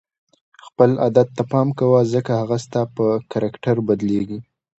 خپل عادت ته پام کوه ځکه هغه ستا په کرکټر بدلیږي.